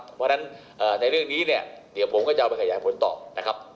เพราะฉะนั้นในเรื่องนี้เนี่ยเดี๋ยวผมก็จะเอาไปขยายผลต่อนะครับ